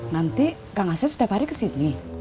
nanti kang asep setiap hari kesini